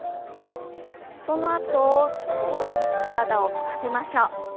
そのあと少し体を反らせましょう。